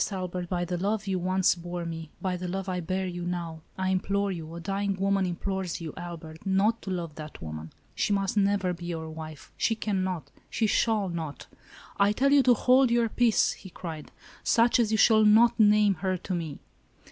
Albert, by the love you once bore me, by the love I bear you now, I implore you, — a dying woman implores you, — Albert, not to love that woman. She must never be your wife. She cannot ! she shall not !"" I tell you to hold your peace !" he cried. " Such as you shall not name her to me."